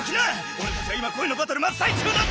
俺たちは今恋のバトル真っ最中なんだ！